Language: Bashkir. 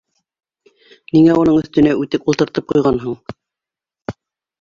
Ниңә уның өҫтөнә үтек ултыртып ҡуйғанһың?